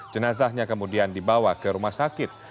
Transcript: jenazahnya kemudian dibawa ke rumah sakit